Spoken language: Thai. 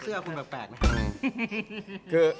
เสื้อคุณแปลก